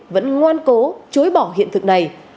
vẫn ngoan cố chối bỏ hiện thực này